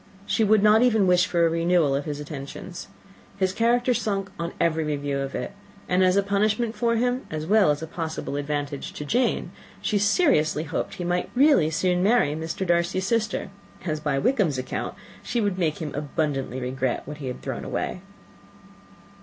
She would not even wish for any renewal of his attentions. His character sunk on every review of it; and, as a punishment for him, as well as a possible advantage to Jane, she seriously hoped he might really soon marry Mr. Darcy's sister, as, by Wickham's account, she would make him abundantly regret what he had thrown away.